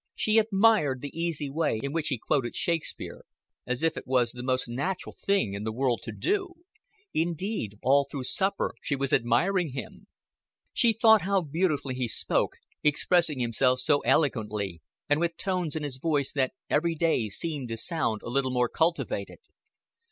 She admired the easy way in which he quoted Shakespeare, as if it was the most natural thing in the world to do. Indeed, all through supper she was admiring him. She thought how beautifully he spoke, expressing himself so elegantly, and with tones in his voice that every day seemed to sound a little more cultivated.